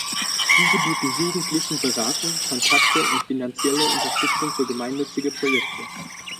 Diese bieten Jugendlichen Beratung, Kontakte und finanzielle Unterstützung für gemeinnützige Projekte.